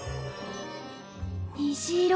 虹色？